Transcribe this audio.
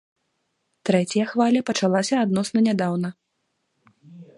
Трэцяя хваля пачалася адносна нядаўна.